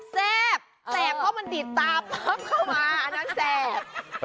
แซ่บแซ่บเพราะมันติดตาปั๊บเข้ามาอันนั้นแซ่บ